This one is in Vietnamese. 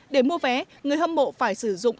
để mua vé người hâm mộ phải sử dụng